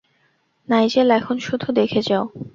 Nigel, এখন শুধু দেখে যাও।